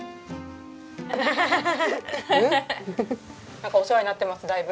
なんかお世話になってますだいぶ。